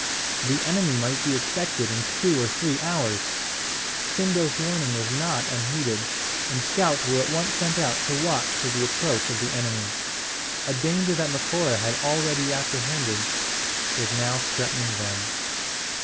The enemy might be expected in two or three hours! Sindo's warning was not unheeded; and scouts were at once sent out to watch for the approach of the enemy. A danger that Macora had already apprehended was now threatening them.